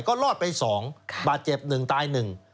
ก็รอดไปสองบาดเจ็บหนึ่งตายหนึ่ง